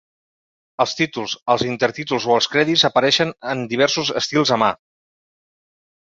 Els títols, els intertítols o els crèdits apareixen en diversos estils a mà.